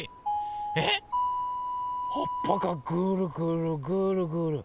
えっ⁉はっぱがぐるぐるぐるぐる。